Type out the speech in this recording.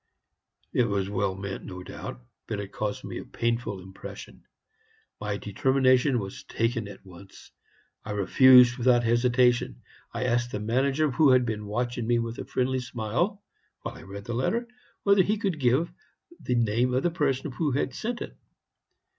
"It was well meant, no doubt, but it caused me a painful impression. My determination was taken at once. I refused without hesitation. I asked the manager, who had been watching me with a friendly smile while I read the letter, whether he could give the name of the person who had sent it.